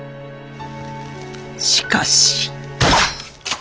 しかし。